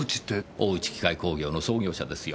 大内機械工業の創業者ですよ。